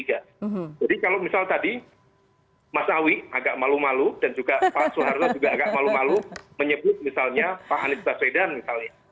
jadi kalau misal tadi mas awi agak malu malu dan juga pak suharto juga agak malu malu menyebut misalnya pak anies baswedan misalnya